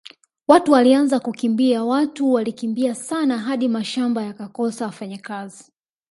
Watu walianza kukimbia watu walikimbia sana hadi mashamba yakakosa wafanyakazi